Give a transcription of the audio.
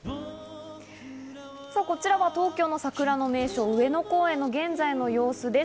こちらは東京の桜の名所・上野公園の現在の様子です。